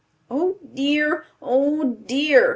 ] "Oh dear! Oh dear!"